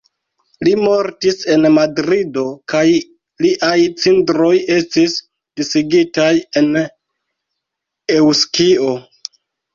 Li mortis en Madrido kaj liaj cindroj estis disigitaj en Eŭskio.